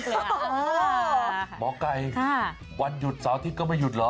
หมอกัยวันหยุดสวัสดีก็ไม่หยุดเหรอ